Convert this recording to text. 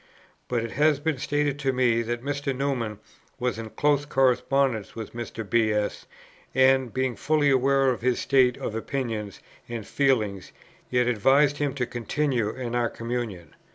But it has been stated to me, that Mr. Newman was in close correspondence with Mr. B. S., and, being fully aware of his state of opinions and feelings, yet advised him to continue in our communion.